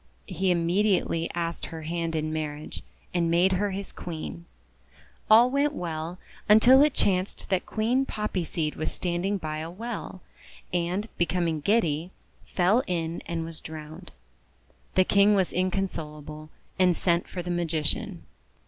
He immediately asked her hand in marriage, and made her his Queen. All went well, until it chanced that Queen Poppy Seed was standing by a well, and, be coming giddy, fell in and was drowned. The King was inconsolable, and sent for the Magician.